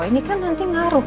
ini kan nanti ngaruh